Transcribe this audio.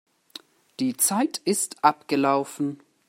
Die Zeit ist abgelaufen.